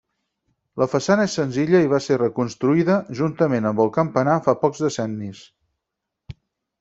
La façana és senzilla i va ser reconstruïda, juntament amb el campanar, fa pocs decennis.